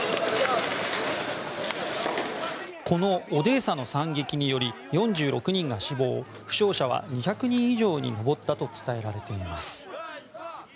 このオデーサの惨劇により４６人が死亡負傷者は２００人以上に上ったと伝えられています。